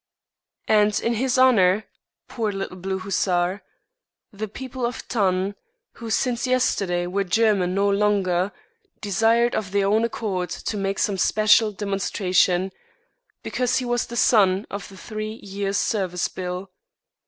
And in his honour, poor little blue hussar, the people of Thann, who since yesterday were German no longer, desired of their own accord to make some special demonstration, because he was the son of the Three Years' Service Bill.